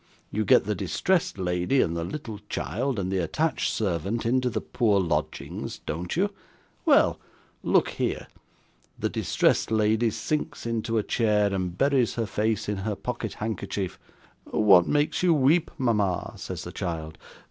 You get the distressed lady, and the little child, and the attached servant, into the poor lodgings, don't you? Well, look here. The distressed lady sinks into a chair, and buries her face in her pocket handkerchief. "What makes you weep, mama?" says the child.